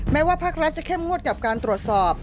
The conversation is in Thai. ว่าภาครัฐจะเข้มงวดกับการตรวจสอบ